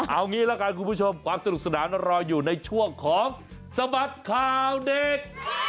เอางี้ละกันคุณผู้ชมความสนุกสนานรออยู่ในช่วงของสบัดข่าวเด็ก